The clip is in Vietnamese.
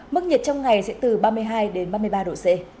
mức nhiệt trong ngày sẽ từ ba mươi hai đến ba mươi ba độ c